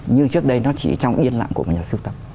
như trước đây nó chỉ trong cái nghiên lạc của nhà sưu tập